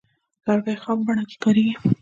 لرګی خام بڼه کې کاریږي.